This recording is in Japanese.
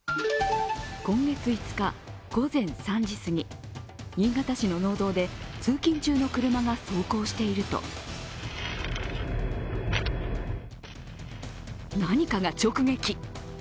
今月５日、午前３時すぎ、新潟市の農道で通勤中の車が走行していると何かが直撃。